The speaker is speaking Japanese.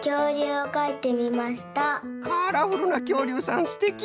カラフルなきょうりゅうさんすてき。